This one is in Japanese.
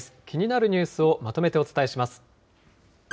気になるニュースをまとめてお伝えします。